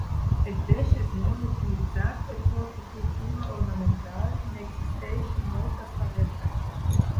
El teix és molt utilitzat en horticultura ornamental i n'existeixen moltes varietats.